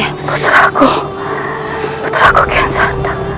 aku betul aku kian satang